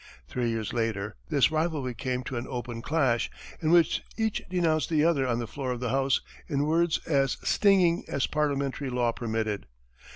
Three years later, this rivalry came to an open clash, in which each denounced the other on the floor of the House in words as stinging as parliamentary law permitted.